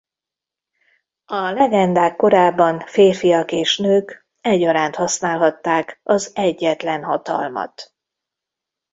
A Legendák Korában férfiak és nők egyaránt használhatták az Egyetlen Hatalmat.